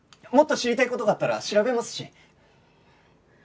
もっと知りたい事があったら調べますし！